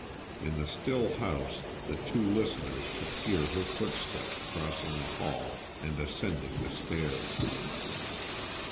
In the still house, the two listeners could hear her footsteps crossing the hall, and ascending the stairs.